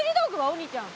お兄ちゃん。